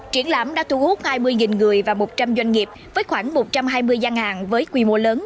triển lãm đã thu hút hai mươi người và một trăm linh doanh nghiệp với khoảng một trăm hai mươi gian hàng với quy mô lớn